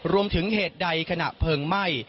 รวมถึงเหตุใดขณะเพลิงไหม้